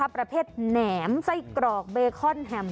ประเภทแหนมไส้กรอกเบคอนแฮม